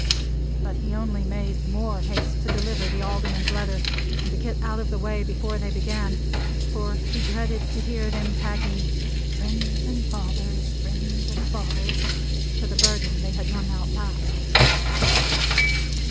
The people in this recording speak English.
But he only made the more haste to deliver the Alderman's letter and get out of the way before they began; for he dreaded to hear them tagging "Friends and Fathers, Friends and Fathers," to the burden they had rung out last.